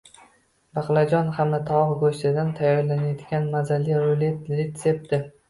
Baqlajon hamda tovuq go‘shtidan tayyorlanadigan mazali rulet retsepti